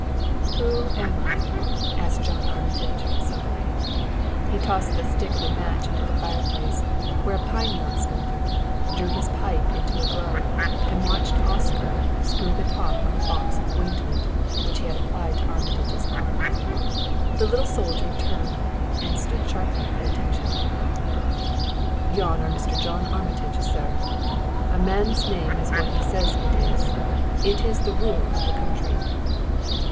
"Who am I?" asked John Armitage soberly. He tossed the stick of a match into the fireplace, where a pine knot smoldered, drew his pipe into a glow and watched Oscar screw the top on a box of ointment which he had applied to Armitage's arm. The little soldier turned and stood sharply at attention. "Yon are Mr. John Armitage, sir. A man's name is what he says it is. It is the rule of the country."